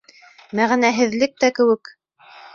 Мәғәнәһеҙлек тә кеүек...